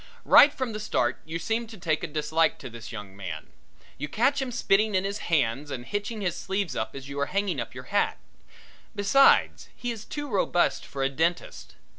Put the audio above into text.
Right from the start you seem to take a dislike to this young man. You catch him spitting in his hands and hitching his sleeves up as you are hanging up your hat. Besides he is too robust for a dentist.